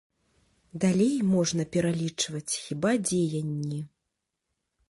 Далей можна пералічваць хіба дзеянні.